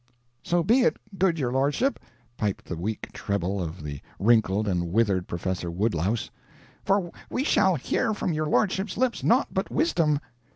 "So be it, good your lordship," piped the weak treble of the wrinkled and withered Professor Woodlouse, "for we shall hear from your lordship's lips naught but wisdom."